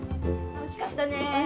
おいしかったね。